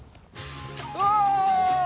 うわ！